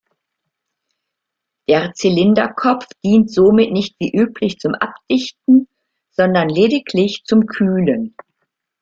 Der Zylinderkopf dient somit nicht wie üblich zum Abdichten, sondern lediglich zum Kühlen.